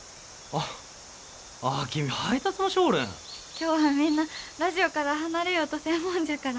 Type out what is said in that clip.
今日はみんなラジオから離れようとせんもんじゃから。